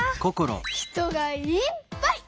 人がいっぱい！